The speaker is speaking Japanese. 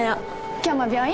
今日も病院？